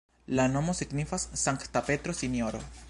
La nomo signifas Sankta Petro-Sinjoro.